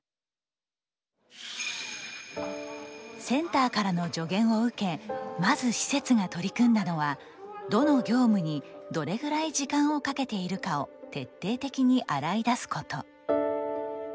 センターからの助言を受けまず施設が取り組んだのはどの業務にどれぐらい時間をかけているかを徹底的に洗い出すこと。